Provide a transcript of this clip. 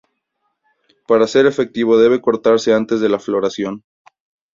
Para ser efectivo debe cortarse antes de la floración.